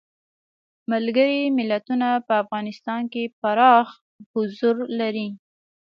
ملګري ملتونه په افغانستان کې پراخ حضور لري.